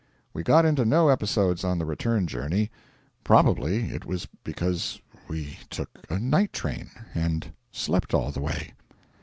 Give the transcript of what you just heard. We got into no episodes on the return journey. Probably it was because we took a night train and slept all the way.